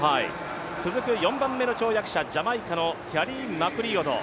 続く４番目の跳躍者、ジャマイカのキャリー・マクリオド。